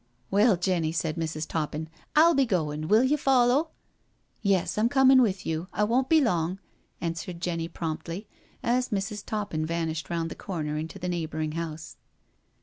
•• Well, Jenny," said Mrs, Toppin, " Til be goin*. Will you follow?" Yes, Tm comin' with you — I won't be long," an swered Jenny promptly, as Mrs. Toppin vanished round the corner into the neighbouring house.